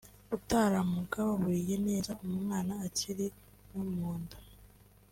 utaramugaburiye neza umwana akiri no mu nda